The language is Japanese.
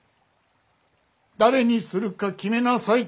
誰にするか決めなさい。